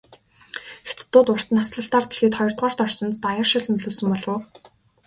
Хятадууд урт наслалтаар дэлхийд хоёрдугаарт орсонд даяаршил нөлөөлсөн болов уу?